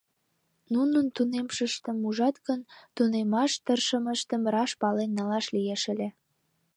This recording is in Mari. Нунын тунемшыштым ужат гын, тунемаш тыршымыштым раш пален налаш лиеш ыле.